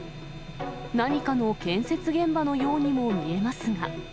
何かの建設現場のようにも見えますが。